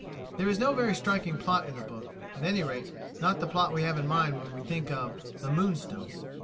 There is no very striking plot in the book; at any rate not the plot we have in mind when we think of "The Moonstone."